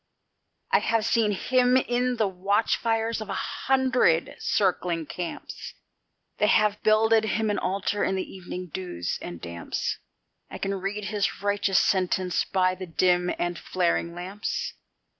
I have seen Him in the watch fires of a hundred circling camps; They have builded Him an altar in the evening dews and damps; I can read his righteous sentence by the dim and flaring lamps.